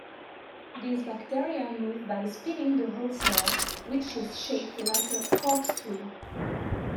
These bacteria move by spinning the whole cell, which is shaped like a corkscrew.